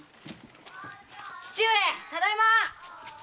父上ただいま！